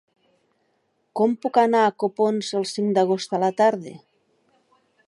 Com puc anar a Copons el cinc d'agost a la tarda?